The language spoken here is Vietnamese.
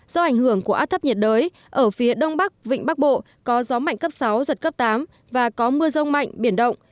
do ảnh hưởng của áp thấp nhiệt đới ở phía đông bắc vịnh bắc bộ có gió mạnh cấp sáu giật cấp tám và có mưa rông mạnh biển động